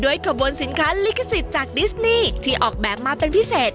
ขบวนสินค้าลิขสิทธิ์จากดิสนี่ที่ออกแบบมาเป็นพิเศษ